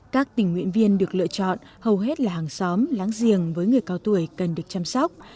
các tình nguyện viên được lựa chọn hầu hết là hàng xóm láng giềng với người cao tuổi cần được chăm sóc